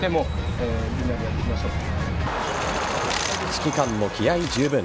指揮官も気合十分。